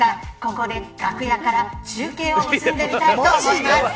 ここで楽屋から中継を結んでみたいと思います。